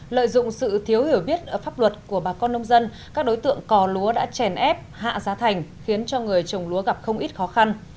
lợi dụng sự thiếu hiểu biết pháp luật của bà con nông dân các đối tượng cò lúa đã chèn ép hạ giá thành khiến cho người trồng lúa gặp không ít khó khăn